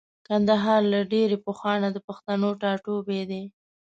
کندهار له ډېرې پخوانه د پښتنو ټاټوبی دی.